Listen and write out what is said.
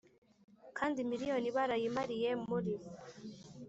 kandi miriyoni barayimariye muri